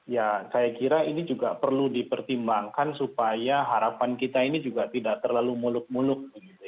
ya saya kira ini juga perlu dipertimbangkan supaya harapan kita ini juga tidak terlalu muluk muluk